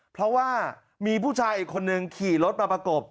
เพราะว่ามีผู้ชายอีกคนนึงขี่รถมาประกบ